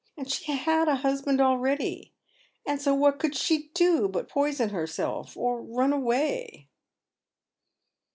And she had a husband already, and so what could she do but poison herself or run away